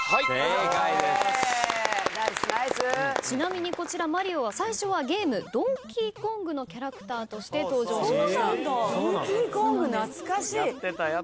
ちなみにこちらマリオは最初はゲーム『ドンキーコング』のキャラクターとして登場しました。